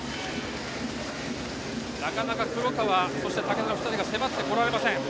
なかなか黒川、竹田の２人迫ってこられません。